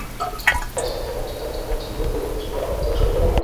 ব্যাটসম্যানদের ব্যর্থতা, অধিনায়ক ধোনির ক্যারিশমার অভাব থেকে শুরু করে অনেক কিছুই।